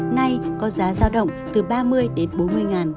nay có giá giao động từ ba mươi đồng